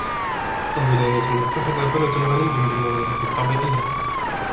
الولايات المتحدة بلد غني بالموارد الطبيعية.